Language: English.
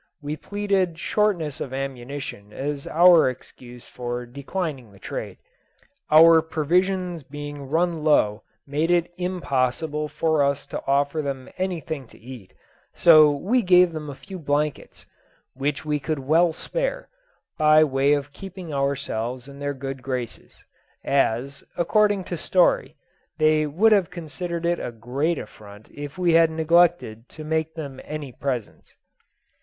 We pleaded shortness of ammunition as our excuse for declining the trade. Our provisions being run low made it impossible for us to offer them anything to eat, so we gave them a few blankets, which we could well spare, by way of keeping ourselves in their good graces; as, according to Story, they would have considered it a great affront if we had neglected to make them any presents.